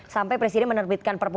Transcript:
sampai presiden menerbitkan perpu